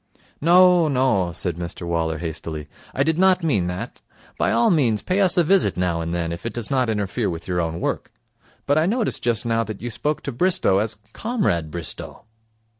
'No, no,' said Mr Waller hastily, 'I did not mean that. By all means pay us a visit now and then, if it does not interfere with your own work. But I noticed just now that you spoke to Bristow as Comrade Bristow.'